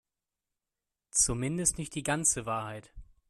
Zumindest nicht die ganze Wahrheit.